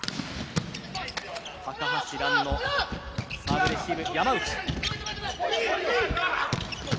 高橋藍のサーブレシーブ。